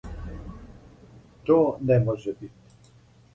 То не може бити.